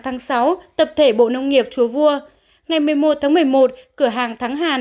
tập thể bộ nông nghiệp chùa vua ngày một mươi một tháng một mươi một cửa hàng thắng hàn